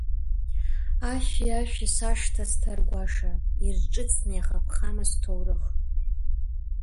Ашәи, ашәи сашҭа сҭаргәаша, ирҿыцны иахаԥахма сҭоурых?